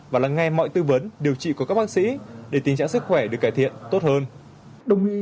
và lắng nghe mọi tư vấn điều trị của các bác sĩ để tình trạng sức khỏe được cải thiện tốt hơn